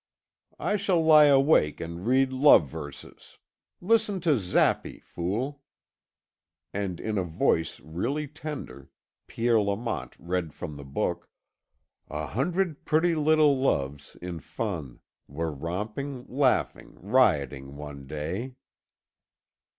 "I shall lie awake and read love verses. Listen to Zappi, fool." And in a voice really tender, Pierre Lamont read from the book: "A hundred pretty little loves, in fun, Were romping; laughing, rioting one day."